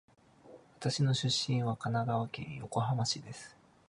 私の出身地は神奈川県横浜市です。